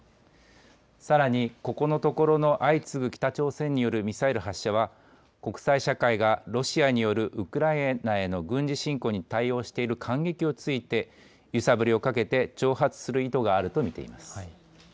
さらに、ここのところの相次ぐ北朝鮮によるミサイル発射は、国際社会がロシアによるウクライナへの軍事侵攻に対応している間げきをついて、揺さぶりをかけて挑発する意図があると見ています。